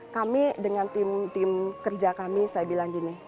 kami dengan tim kerja kami saya bilang gini